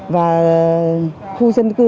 và khu dân cư